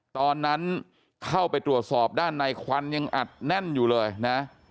ตอนนั้นเข้าไปตรวจสอบด้านในควันยังอัดแน่นอยู่เลยนะ